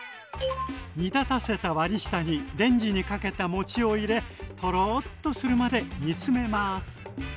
煮立たせた割り下にレンジにかけたもちを入れトロッとするまで煮詰めます。